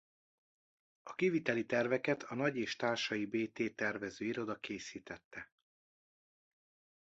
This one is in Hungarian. A kiviteli terveket a Nagy és Társai Bt tervező iroda készítette.